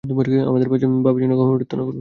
আমাদের পাপের জন্যে ক্ষমা প্রার্থনা করুন।